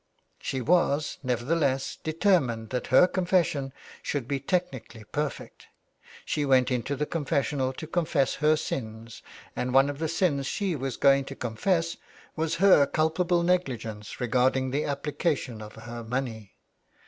She was, nevertheless, determined that her confes sion should be technically perfect. She went into the confessional to confess her sins, and one of the sins she was going to confess was her culpable negli gence regarding the application of her money.